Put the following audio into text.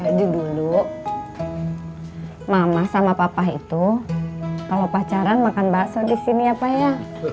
jadi dulu mama sama papa itu kalau pacaran makan bakso di sini apa ya